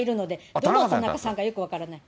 どのたなかさんかよく分からない。